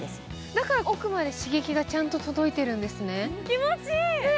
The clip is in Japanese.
だから奥まで刺激がちゃんと届いているんですね。